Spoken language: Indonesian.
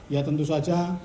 ya tentu saja